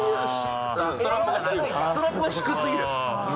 ストラップが低すぎる。